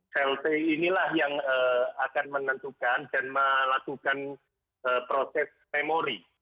sel t inilah yang akan menentukan dan melakukan proses memori